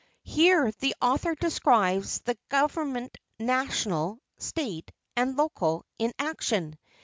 Here the author describes the government, national, State and local, in action.